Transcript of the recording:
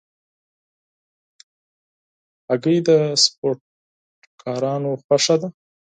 هګۍ د سپورټکارانو خوښه ده.